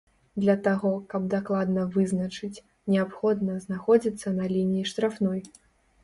Для таго, каб дакладна вызначыць, неабходна знаходзіцца на лініі штрафной.